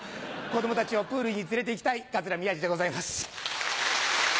子供たちをプールに連れて行きたい桂宮治でございます。